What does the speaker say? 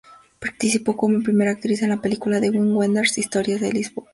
Participó como primera actriz en la película de Wim Wenders "Historias de Lisboa".